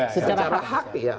secara hak ya